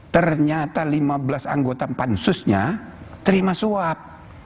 ternyata lima belas anggota pansusnya terima suap